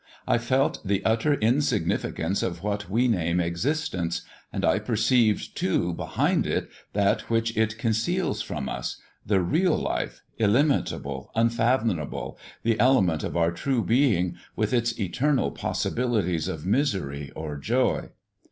I felt the utter insignificance of what we name existence, and I perceived too behind it that which it conceals from us the real Life, illimitable, unfathomable, the element of our true being, with its eternal possibilities of misery or joy."